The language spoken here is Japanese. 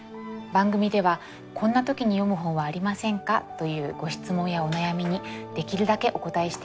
番組では「こんな時に読む本はありませんか？」というご質問やお悩みにできるだけお答えしていきたいと思います。